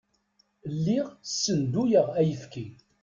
Lliɣ ssenduyeɣ ayefki.